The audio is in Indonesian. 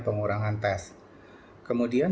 pengurangan tes kemudian